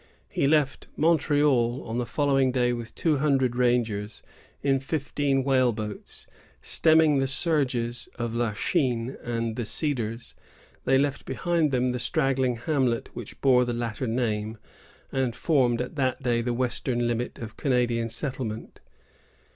He left Montreal, on the following day, with two hundred rangers, in fifteen whale boats. Stemming the surges of La Chine and the Cedars, they left behind them the straggling hamlet which bore the latter name, and formed at that day the western limit of Canadian settlement.